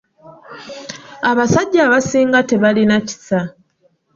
Abasajja abasiga tebalina kisa.